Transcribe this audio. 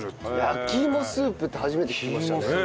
焼き芋スープって初めて聞きましたね。